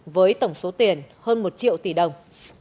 với tổng số tiền hơn một triệu tỷ đồng